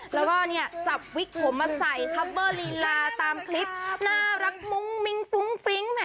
แล้วก็เนี่ยจับวิกผมมาใส่คัมเบอร์ลีลาตามคลิปน่ารักมุ้งมิ้งฟุ้งฟิ้ง